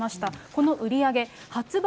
この売り上げ発売